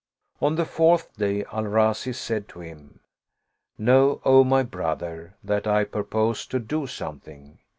On the fourth day, Al Razi said to him, " Know, O my brother, that I purpose to do something."